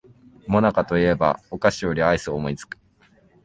もなかと言えばお菓子よりアイスを思いつく